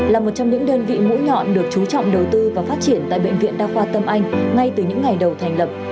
là một trong những đơn vị mũi nhọn được chú trọng đầu tư và phát triển tại bệnh viện đa khoa tâm anh ngay từ những ngày đầu thành lập